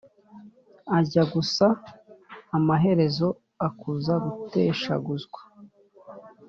ajya gusa, amaherezo ukaza guteshaguzwa